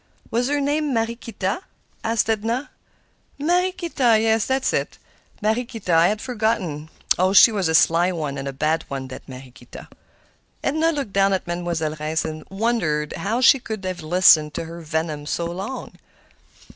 "Was her name Mariequita?" asked Edna. "Mariequita—yes, that was it; Mariequita. I had forgotten. Oh, she's a sly one, and a bad one, that Mariequita!" Edna looked down at Mademoiselle Reisz and wondered how she could have listened to her venom so long.